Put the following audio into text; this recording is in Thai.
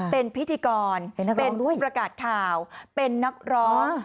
เป็นพิธีกรเป็นผู้ประกาศข่าวเป็นนักร้อง